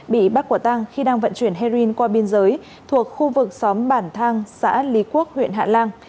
bị bắt quả tang khi đang vận chuyển heroin qua biên giới thuộc khu vực xóm bản thang xã lý quốc huyện hạ lan